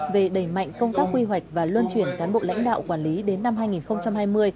về đẩy mạnh công tác quy hoạch và luân chuyển cán bộ lãnh đạo quản lý đến năm hai nghìn hai mươi